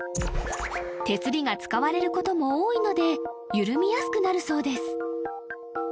手すりが使われることも多いので緩みやすくなるそうです